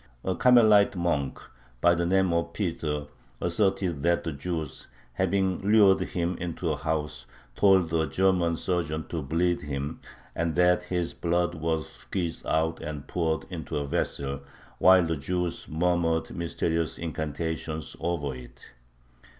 A Carmelite monk by the name of Peter asserted that the Jews, having lured him into a house, told a German surgeon to bleed him, and that his blood was squeezed out and poured into a vessel, while the Jews murmured mysterious incantations over it.